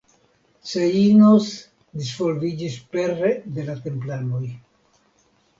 Ceinos disvolviĝis pere de la Templanoj.